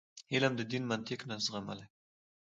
علم دین منطق نه زغملای.